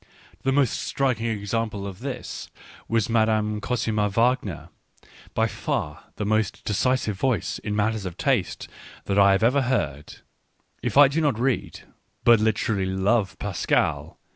The most striking example of this was Madame Cosima Wagner, by far the most decisive voice in matters of taste that I have ever heard. If I do not read, but literally love Pascal?